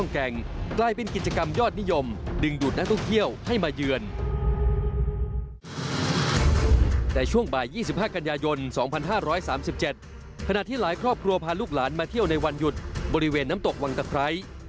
แต่ขณะที่หลายครอบครัวพาลูกหลานมาเที่ยวในวันหยุดบริเวณน้ำตกวังตะไคร้